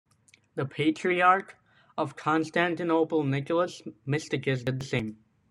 The Patriarch of Constantinople, Nicholas Mysticus, did the same.